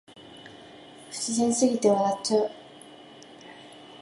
不自然すぎて笑っちゃう